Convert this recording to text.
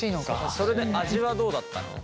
それで味はどうだったの？